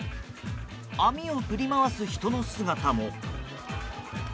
網を振り回す人の姿も。